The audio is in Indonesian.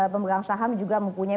pemegang saham juga mempunyai